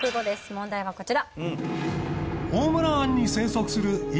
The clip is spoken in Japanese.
問題はこちら。